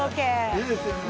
いいですよね。